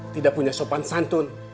tidak punya sopan santun